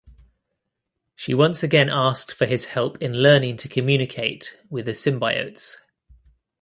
She once again asked for his help in learning to communicate with the symbiotes.